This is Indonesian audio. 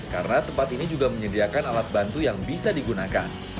karena tempat ini juga menyediakan alat bantu yang bisa digunakan